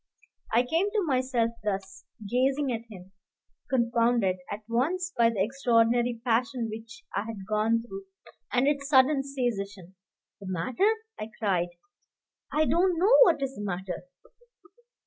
I came to myself thus, gazing at him, confounded, at once by the extraordinary passion which I had gone through, and its sudden cessation. "The matter?" I cried; "I don't know what is the matter."